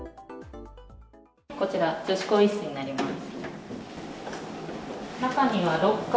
こちら、女子更衣室になります。